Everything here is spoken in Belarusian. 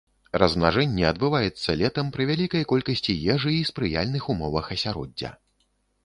Размнажэнне адбываецца летам пры вялікай колькасці ежы і спрыяльных умовах асяроддзя.